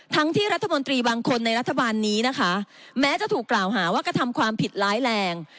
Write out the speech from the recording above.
ทั้งที่รัฐมนตรีบางคนในรัฐบาลนี้นะคะแม้จะถูกกล่าวหาว่ากระทำความผิดร้ายแรง